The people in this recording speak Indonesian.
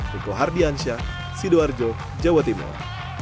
riko hardiansyah sidoarjo jawa timur